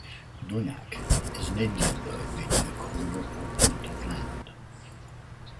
"Noyac" is an Indian word meaning "a corner or point of land".